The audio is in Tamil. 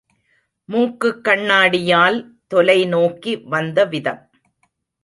மூக்குக் கண்ணாடியால், தொலை நோக்கி வந்த விதம்!